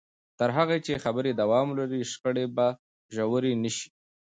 تر هغه چې خبرې دوام ولري، شخړې به ژورې نه شي.